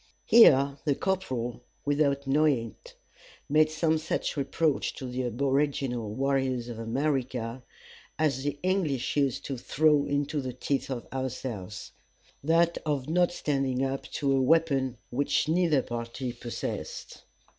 Here the corporal, without knowing it, made some such reproach to the aboriginal warriors of America as the English used to throw into the teeth of ourselves that of not standing up to a weapon which neither party possessed.